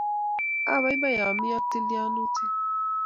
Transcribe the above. Abaibai ami ak tilianutik